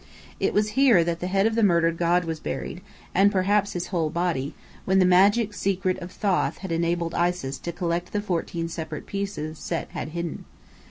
It was here that the head of the murdered god was buried, and perhaps his whole body, when the magic secret of Thoth had enabled Isis to collect the fourteen separate pieces Set had hidden.